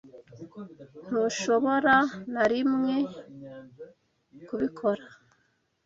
Ntushobora na rimwe kubikora.